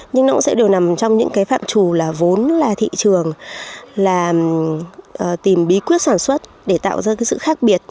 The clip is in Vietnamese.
nhưng nó cũng sẽ đều nằm trong những cái phạm trù là vốn là thị trường là tìm bí quyết sản xuất để tạo ra cái sự khác biệt